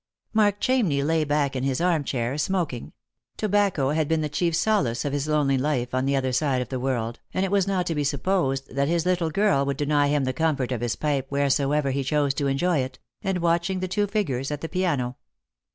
Mark Chamney lay back in his arm chair, smoking — tobacco had been the chief solace of his lonely life on the other side of the world, and it was not to be supposed that his little girl 30 Zost for Love. would deny him the comfort of his pipe wheresoever he chose to enjoy it — and watching the two figures at the piano.